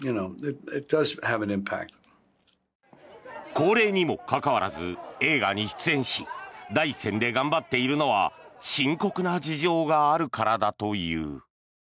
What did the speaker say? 高齢にもかかわらず映画に出演し第一線で頑張っているのは深刻な事情があるからだという。